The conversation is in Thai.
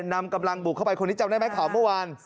นำกำลังบุกเข้าไปคนนี้จำได้ไหมข่าวเมื่อวาน